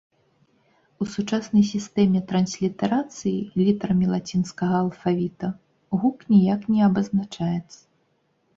У сучаснай сістэме транслітарацыі літарамі лацінскага алфавіта гук ніяк не абазначаецца.